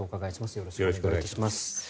よろしくお願いします。